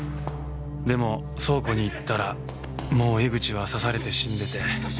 でも倉庫に行ったらもう江口は刺されて死んでて。